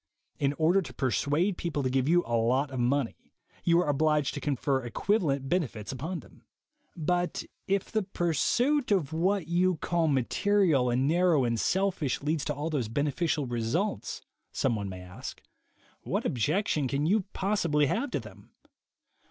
In order to per suade people to give you a lot of money, you are obliged to confer equivalent benefits upon them. "But if the pursuit of what you call material 52 THE WAY TO WILL POWER and narrow and selfish ends leads to all these bene ficial results/' some one may ask, "what objection can you possibly have to them?"